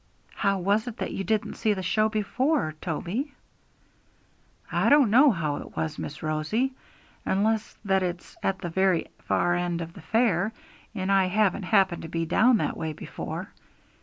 'How was it that you didn't see the show before, Toby?' 'I don't know how it was, Miss Rosie, unless that it's at the very far end of the fair, and I haven't happened to be down that way before.